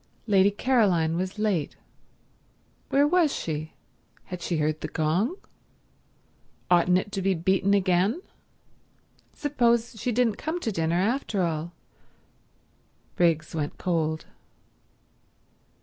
Lady Caroline was late. Where was she? Had she heard the gong? Oughtn't it to be beaten again? Suppose she didn't come to dinner after all. .. Briggs went cold.